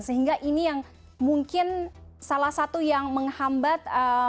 sehingga ini yang mungkin salah satu yang menghambat